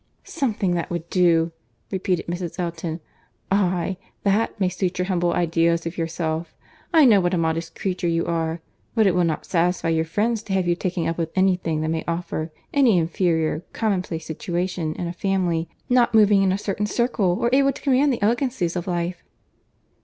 "Something that would do!" repeated Mrs. Elton. "Aye, that may suit your humble ideas of yourself;—I know what a modest creature you are; but it will not satisfy your friends to have you taking up with any thing that may offer, any inferior, commonplace situation, in a family not moving in a certain circle, or able to command the elegancies of life."